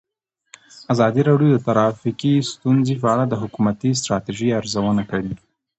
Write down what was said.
ازادي راډیو د ټرافیکي ستونزې په اړه د حکومتي ستراتیژۍ ارزونه کړې.